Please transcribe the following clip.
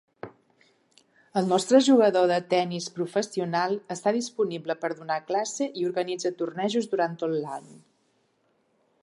El nostre jugador de tennis professional està disponible per donar classe i organitza tornejos durant tot l'any.